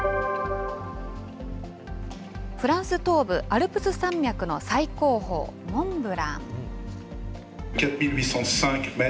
フランス東部アルプス山脈の最高峰モンブラン。